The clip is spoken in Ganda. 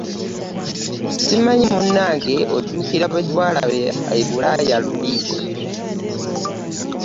Simanyi munage ojjukia byetwalaba ebulaaya luli .